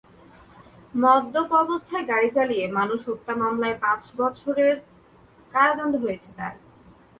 মদ্যপ অবস্থায় গাড়ি চালিয়ে মানুষ হত্যার মামলায় পাঁচ বছরের কারাদণ্ড হয়েছে তাঁর।